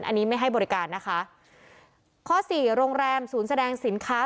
อันนี้ไม่ให้บริการนะคะข้อสี่โรงแรมศูนย์แสดงสินค้า